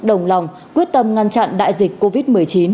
đồng lòng quyết tâm ngăn chặn đại dịch covid một mươi chín